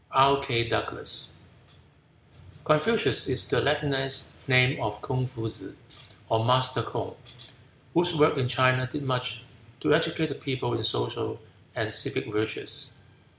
K. DOUGLAS Confucius is the Latinized name of Kung Futusze, or "Master Kung," whose work in China did much to educate the people in social and civic virtues.